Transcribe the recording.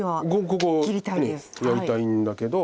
ここやりたいんだけど。